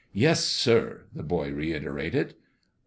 " Yes, sir I " the boy reiterated.